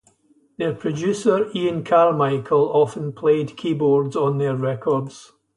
Their producer, Ian Carmichael, often played keyboards on their records.